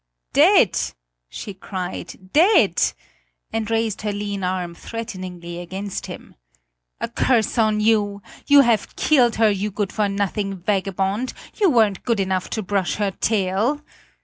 "Dead!" she cried; "dead!" and raised her lean arm threateningly against him: "A curse on you! You have killed her, you good for nothing vagabond; you weren't good enough to brush her tail!"